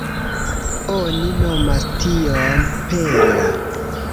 Oni nomas tion "perla".